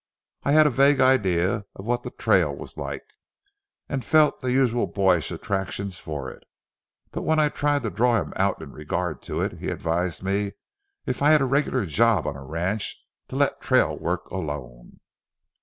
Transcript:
I had a vague idea of what the trail was like, and felt the usual boyish attraction for it; but when I tried to draw him out in regard to it, he advised me, if I had a regular job on a ranch, to let trail work alone.